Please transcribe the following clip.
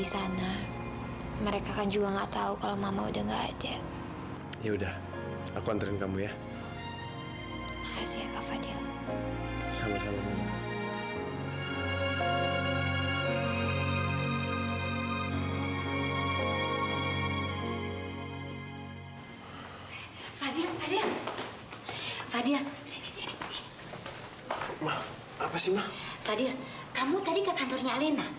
sampai jumpa di video selanjutnya